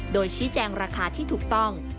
โดยชี้แจงราคาที่ถูกต้อง